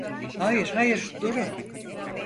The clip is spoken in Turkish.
Hayır, hayır, durun.